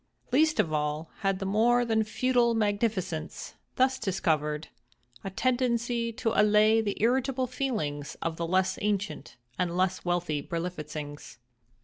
Least of all had the more than feudal magnificence, thus discovered, a tendency to allay the irritable feelings of the less ancient and less wealthy Berlifitzings.